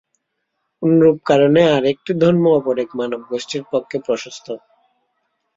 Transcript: অনুরূপ কারণে আর একটি ধর্ম অপর এক মানবগোষ্ঠীর পক্ষে প্রশস্ত।